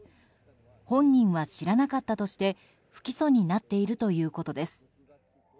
本人は知らなかったとして不起訴になっているということです。